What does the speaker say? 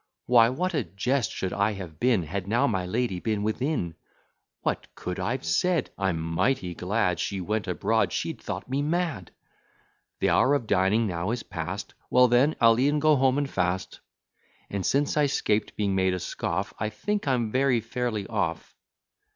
Why, what a jest should I have been, Had now my lady been within! What could I've said? I'm mighty glad She went abroad she'd thought me mad. The hour of dining now is past: Well then, I'll e'en go home and fast: And, since I 'scaped being made a scoff, I think I'm very fairly off.